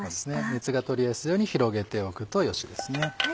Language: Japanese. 熱が取れやすいように広げておくとよしですね。